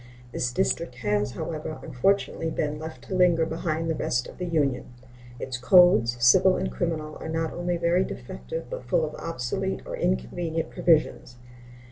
This District has, however, unfortunately been left to linger behind the rest of the Union. Its codes, civil and criminal, are not only very defective, but full of obsolete or inconvenient provisions.